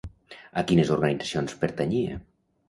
A quines organitzacions pertanyia?